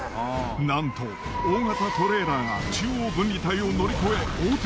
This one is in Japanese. なんと大型トレーラーが中央分離帯を乗り越え横転！